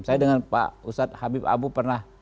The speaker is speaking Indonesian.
saya dengan pak ustadz habib abu pernah